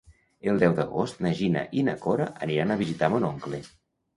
El deu d'agost na Gina i na Cora aniran a visitar mon oncle.